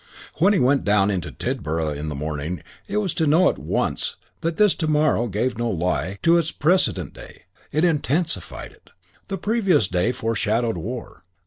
III When he went down into Tidborough in the morning it was to know at once that this to morrow gave no lie to its precedent day. It intensified it. The previous day foreshadowed war.